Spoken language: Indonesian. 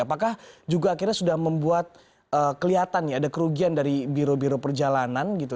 apakah juga akhirnya sudah membuat kelihatan nih ada kerugian dari biro biro perjalanan gitu